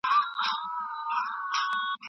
امیل دورکهایم یو مشهور ټولنپوه و.